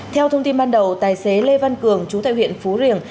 theo thông tin ban đầu tài xế lê văn cường chú tại huyện phú riềng